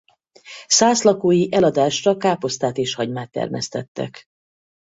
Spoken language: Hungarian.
Szász lakói eladásra káposztát és hagymát termesztettek.